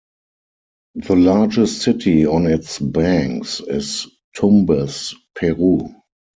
The largest city on its banks is Tumbes, Peru.